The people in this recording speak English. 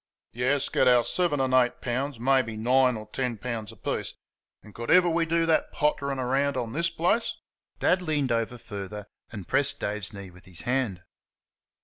"Yes, get our seven and eight pounds, maybe nine or ten pounds a piece. And could ever we do that pottering about on the place?" Dad leaned over further and pressed Dave's knee with his hand.